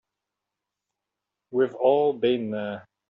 We've all been there.